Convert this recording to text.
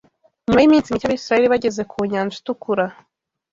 Nyuma y’iminsi mike Abisirayeli bageze ku Nyanja Itukura